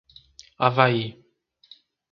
Avaí